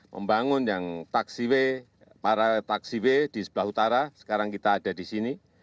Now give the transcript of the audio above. membangun yang taksiwe di sebelah utara sekarang kita ada di sini